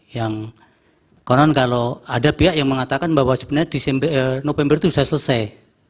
yang konon kalau ada pihak yang mengatakan bahwa sebenarnya di november itu sudah selesai